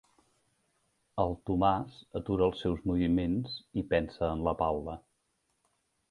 El Tomàs atura els seus moviments i pensa en la Paula.